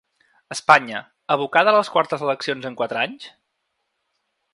Espanya, abocada a les quartes eleccions en quatre anys?